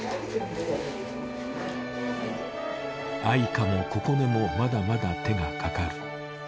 愛華も心寧もまだまだ手がかかる。